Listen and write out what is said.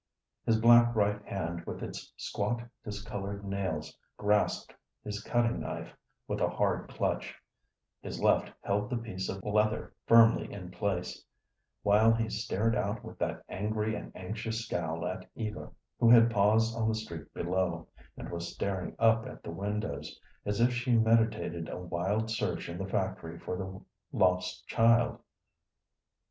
His black right hand with its squat discolored nails grasped his cutting knife with a hard clutch, his left held the piece of leather firmly in place, while he stared out with that angry and anxious scowl at Eva, who had paused on the street below, and was staring up at the windows, as if she meditated a wild search in the factory for the lost child.